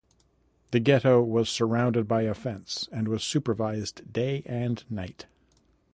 The ghetto was surrounded by a fence and was supervised day and night.